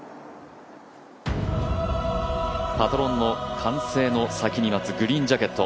パトロンの歓声の先に待つグリーンジャケット。